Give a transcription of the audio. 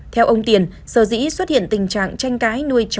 theo ông tiền sở dĩ xuất hiện tình trạng tranh cãi nuôi chó